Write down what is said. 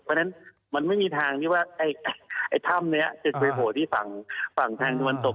เพราะฉะนั้นมันไม่มีทางที่ว่าไอ้ถ้ำนี้จะไปโผล่ที่ฝั่งทางตะวันตก